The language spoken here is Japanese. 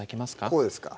こうですか？